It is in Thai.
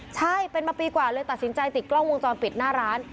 ใช่เป็นมาปีกว่าเลยตัดสินใจติดกล้องวงจรปิดหน้าร้าน